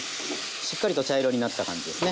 しっかりと茶色になった感じですね。